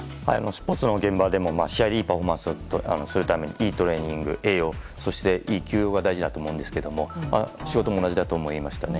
スポーツの現場でも試合でいいパフォーマンスをするためにいいトレーニング、栄養そしていい休養が大事だと思うんですが仕事も同じだと思いました。